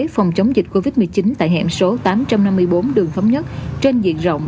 phòng chống dịch covid một mươi chín tại hẻm số tám trăm năm mươi bốn đường thống nhất trên diện rộng